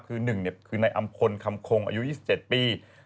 คือ๑คือนายอำพลคำคงอายุ๒๗ปี